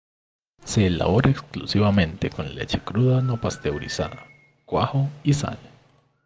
Se elabora exclusivamente con leche cruda no pasteurizada, cuajo y sal.